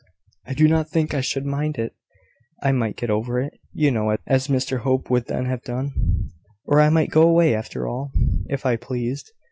"I do not think I should mind it. I might get over it, you know, as Mr Hope would then have done. Or I might go away, after all, if I pleased.